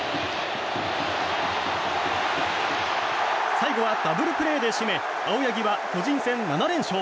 最後はダブルプレーで締め青柳は巨人戦７連勝。